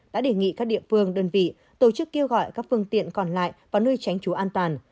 đã đề nghị các địa phương đơn vị tổ chức kêu gọi các phương tiện còn lại vào nơi tránh trú an toàn